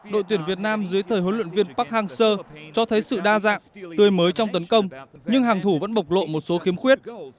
đội tuyển việt nam dưới thời huấn luyện viên park hang seo cho thấy sự đa dạng tươi mới trong tấn công nhưng hàng thủ vẫn bộc lộ một số khiếm khuyết